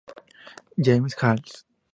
James's Hall.